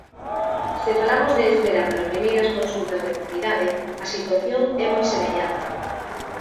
Se falamos de espera para primeiras consultas de enfermidade, a situación é moi semellante.